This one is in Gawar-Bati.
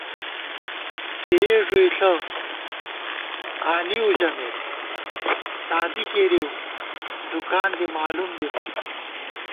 پېئی ݫُوئیݪہ آنِیؤ ژَمېت ، تادِی کېرِیؤ دُکان دی مالُوم بِبہ